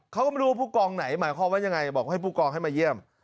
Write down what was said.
เขาก็ไม่รู้ว่าผู้กองไหนหมายความว่ายังไงบอกให้ผู้กองให้มาเยี่ยม